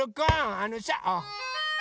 あのさ。